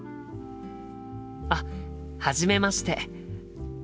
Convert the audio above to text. あっはじめまして。